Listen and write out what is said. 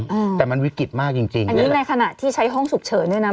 อืมแต่มันวิกฤตมากจริงจริงอันนี้ในขณะที่ใช้ห้องฉุกเฉินด้วยนะ